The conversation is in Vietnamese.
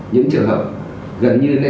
những trường hợp gần như